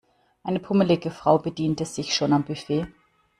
Eine pummelige Frau bediente sich schon am Buffet.